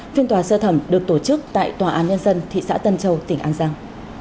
phiên tòa sơ thẩm được tổ chức tại tòa án nhân dân thị xã tân châu tỉnh an giang